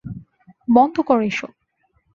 বন্ধ কর এসব।